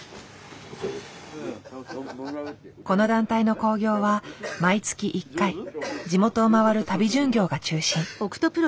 この団体の興行は毎月１回地元を回る旅巡業が中心。